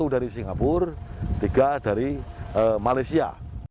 satu dari singapura tiga dari malaysia